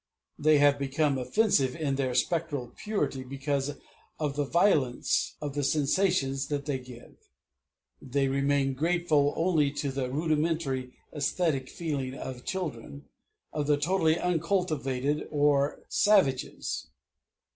They have become offensive in their spectral purity because of the violence of the sensations that they give; they remain grateful only to the rudimentary æsthetic feeling of children, of the totally uncultivated, or of savages.